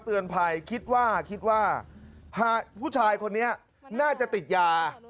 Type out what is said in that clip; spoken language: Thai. เตือนภัยคิดว่าคิดว่าผู้ชายคนนี้น่าจะติดยา